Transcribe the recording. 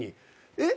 えっ？